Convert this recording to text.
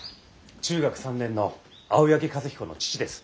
中学３年の青柳和彦の父です。